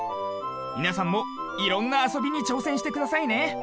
みなさんもいろんなあそびにちょうせんしてくださいね。